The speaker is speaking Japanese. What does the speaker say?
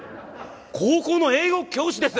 高校の英語教師です！